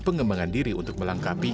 pengembangan diri untuk melengkapi